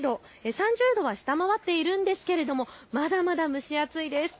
３０度は下回っているんですけれどもまだまだ蒸し暑いです。